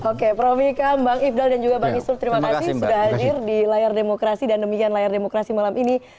oke prof ikam bang ifdal dan juga bang isrul terima kasih sudah hadir di layar demokrasi dan demikian layar demokrasi malam ini